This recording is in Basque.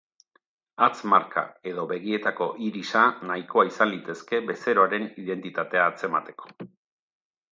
Hatz-marka edo begietako irisa nahikoa izan litezke bezeroaren identitatea atzemateko.